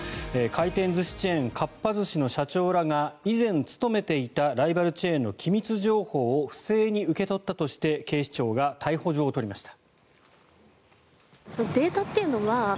回転寿司チェーン、かっぱ寿司の社長らが以前勤めていたライバルチェーンの機密情報を不正に受け取ったとして警視庁が逮捕状を取りました。